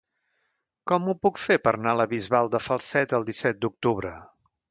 Com ho puc fer per anar a la Bisbal de Falset el disset d'octubre?